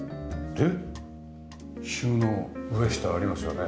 で収納上下ありますよね。